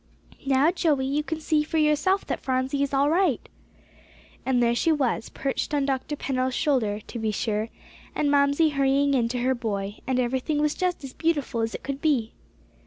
"Now, Joey, you can see for yourself that Phronsie is all right." And there she was, perched on Dr. Pennell's shoulder, to be sure, and Mamsie hurrying in to her boy, and everything was just as beautiful as it could be!